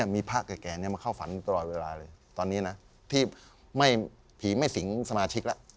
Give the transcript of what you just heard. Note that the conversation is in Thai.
มีพระแก่มาเข้าฝันตลอดเวลาเลยตอนนี้นะที่ผีไม่สิงสมาชิกแล้ว